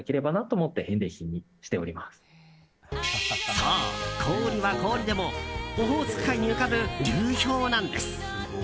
そう、氷は氷でもオホーツク海に浮かぶ流氷なんです。